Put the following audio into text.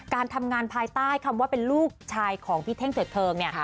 การทำงานภายใต้คำว่าเป็นลูกชายของพี่เท่งเสร็จเทิงเนี่ย